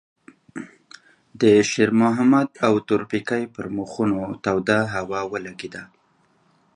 د شېرمحمد او تورپيکۍ پر مخونو توده هوا ولګېده.